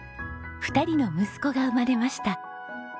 ２人の息子が生まれました。